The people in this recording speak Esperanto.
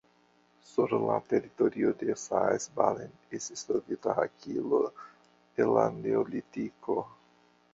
Sur la teritorio de Saas-Balen estis trovita hakilo el la neolitiko.